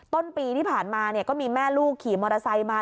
ต้นปีที่ผ่านมาก็มีแม่ลูกขี่มอเตอร์ไซค์มา